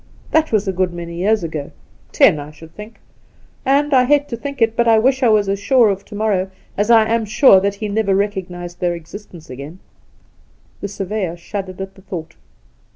' That was a good many years ago — ten, I should think ; and — I hate to think it — but I wish I was as sure of to morrow as I am sure that he never recognised their existence again.' The surveyor shuddered at the thought.